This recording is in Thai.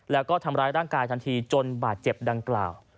แล้วก็ทำร้ายร่างกายทันทีจนบาดเจ็บดังกล่าว